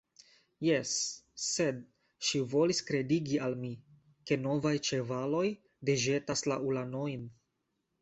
Jes, sed ŝi volis kredigi al mi, ke novaj ĉevaloj deĵetas la ulanojn.